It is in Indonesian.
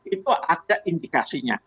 itu ada indikasinya